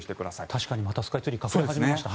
確かにまたスカイツリー隠れ始めました。